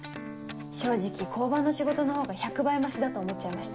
正直交番の仕事のほうが１００倍マシだと思っちゃいました。